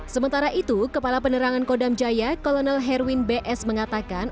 sementara itu kepala penerangan kodam jaya kolonel herwin bs mengatakan